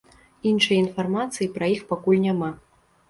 Іншай інфармацыі пра іх пакуль няма.